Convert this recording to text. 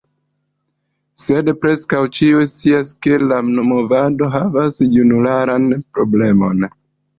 Sed preskaŭ ĉiuj scias ke la movado havas junularan problemon.